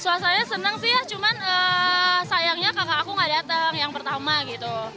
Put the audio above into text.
suasanya senang sih ya cuma sayangnya kakak aku nggak datang yang pertama gitu